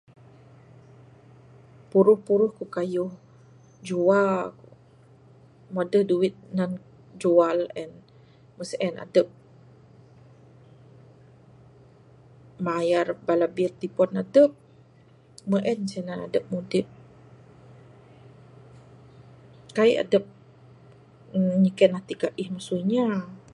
Puruh-puruh ku kayuh...juwa ku... mbuh adeh duit tinan jual en mbuh sien adep...mayar bala bil tilipon adep...meng en ceh tinan adep mudip...kaii adep nyiken ati aih masu inya.